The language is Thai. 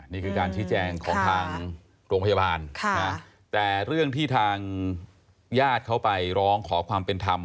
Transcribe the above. นี่คือการชี้แจงของทางโรงพยาบาลแต่เรื่องที่ทางญาติเขาไปร้องขอความเป็นธรรม